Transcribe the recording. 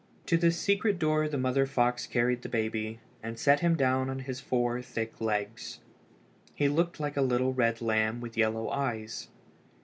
To this secret door the mother fox carried the baby, and set him down on his four thick legs. He looked like a little red lamb with yellow eyes.